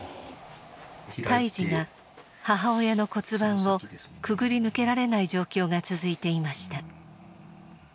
胎児が母親の骨盤をくぐり抜けられない状況が続いていました。